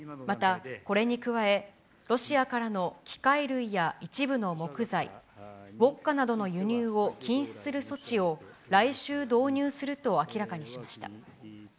また、これに加え、ロシアからの機械類や一部の木材、ウォッカなどの輸入を禁止する措置を来週、導入すると明らかにしました。